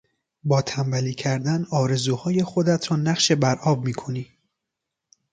با تنبلی کردن آرزوهای خودت را نقش برآب میکنی.